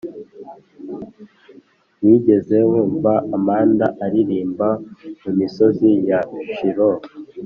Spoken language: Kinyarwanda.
wigeze wumva amanda aririmba mumisozi ya shiloh